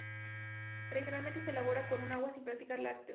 Tradicionalmente se elaboraba sólo con agua, sin participar lácteos.